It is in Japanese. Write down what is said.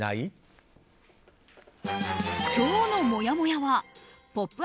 今日のもやもやは「ポップＵＰ！」